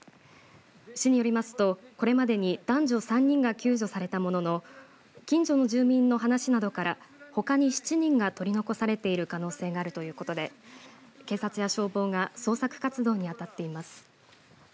市によりますと、これまでに男女３人が救助されたものの近所の住民の話などからほかに７人が取り残されている可能性があるということで警察や消防が捜索活動にあたっています。